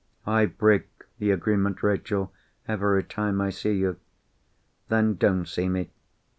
"I break the agreement, Rachel, every time I see you." "Then don't see me."